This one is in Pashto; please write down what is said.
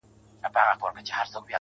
ما په ژړغوني اواز دا يــوه گـيـله وكړه.